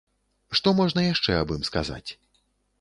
Што можна яшчэ аб ім сказаць?